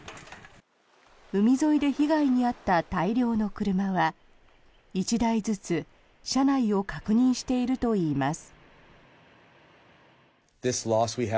海沿いで被害に遭った大量の車は１台ずつ車内を確認しているといいます。